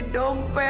aku udah selesai